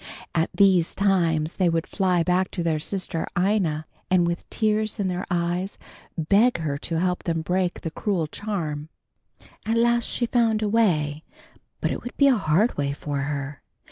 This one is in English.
At these times they would fly back to their sister Ina, and with tears in their eyes, beg her to help them break the cruel charm. At last she found a way, but it would be a hard way for her.